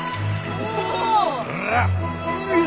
お！